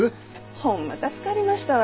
ほんま助かりましたわ。